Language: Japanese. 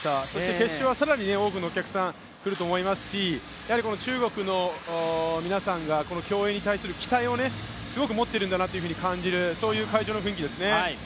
決勝は更に多くのお客さんが来ると思いますし、この中国の皆さんがこの競泳に対する期待をすごく持ってるんだなというふうに感じる会場の雰囲気ですね。